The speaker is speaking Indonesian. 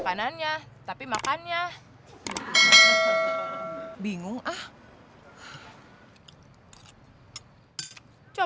kembali mampir kamu ngajur